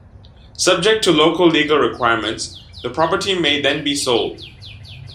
Subject to local legal requirements, the property may then be sold.